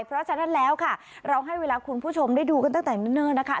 เพราะฉะนั้นแล้วค่ะเราให้เวลาคุณผู้ชมได้ดูกันตั้งแต่เนิ่นนะคะ